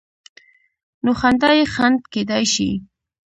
نو خندا یې خنډ کېدای شي.